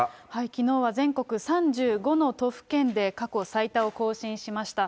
きのうは全国３５の都府県で、過去最多を更新しました。